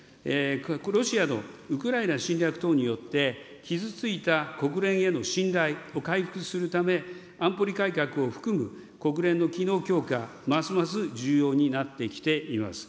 ロシアのウクライナ侵略によって、傷ついた国連への信頼を回復するため、安保に改革を含む国連の機能強化、ますます重要になってきています。